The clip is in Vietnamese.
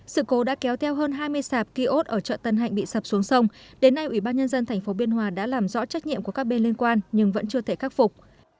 sự cố đã kéo theo hơn hai mươi sạp ký ốt ở chợ tân hạnh bị sập xuống sông đến nay ủy ban nhân dân tp biên hòa đã làm rõ trách nhiệm của các bên liên quan nhưng vẫn chưa thể khắc phục